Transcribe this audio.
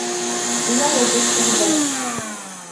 Буялып бөткәндәр.